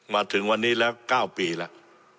มาถึงวันนี้แล้ว๙ปีแล้ว